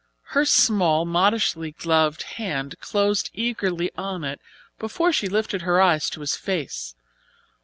Her small, modishly gloved hand closed eagerly on it before she lifted her eyes to his face.